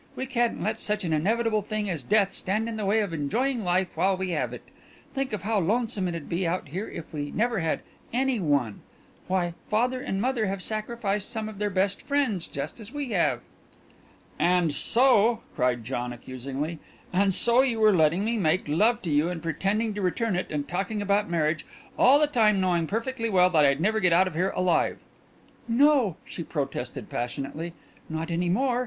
We can't let such an inevitable thing as death stand in the way of enjoying life while we have it. Think of how lonesome it'd be out here if we never had any one. Why, father and mother have sacrificed some of their best friends just as we have." "And so," cried John accusingly, "and so you were letting me make love to you and pretending to return it, and talking about marriage, all the time knowing perfectly well that I'd never get out of here alive " "No," she protested passionately. "Not any more.